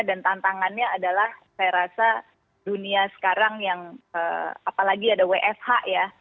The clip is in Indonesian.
dan tantangannya adalah saya rasa dunia sekarang yang apalagi ada wfh ya